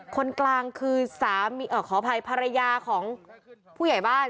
คนกลางคือสามีขออภัยภรรยาของผู้ใหญ่บ้าน